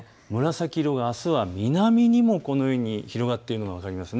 紫色があすは南にも広がっているのが分かります。